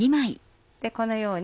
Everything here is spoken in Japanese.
このように。